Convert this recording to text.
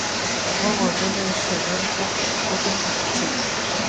Wawa mana qishyananpaq achkatam mikuchina.